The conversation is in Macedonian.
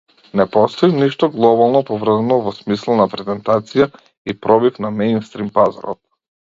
Не постои ништо глобално поврзано во смисла на презентација и пробив на меинстрим пазарот.